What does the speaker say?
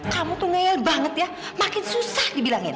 kamu tuh ngeyel banget ya makin susah dibilangin